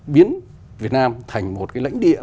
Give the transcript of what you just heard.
biến việt nam thành một cái lãnh địa